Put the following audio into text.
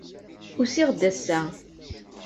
Usiɣ-d ass-a.